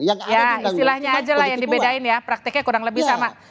ya istilahnya aja lah yang dibedain ya prakteknya kurang lebih sama